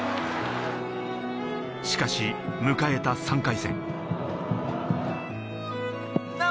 しかし、迎えた３回戦。